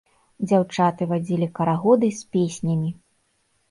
Дзяўчаты вадзілі карагоды з песнямі.